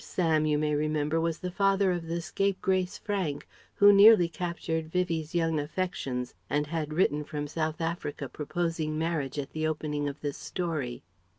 Sam, you may remember, was the father of the scapegrace Frank who nearly captured Vivie's young affections and had written from South Africa proposing marriage at the opening of this story.